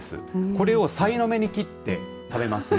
これをさいの目に切って食べますね。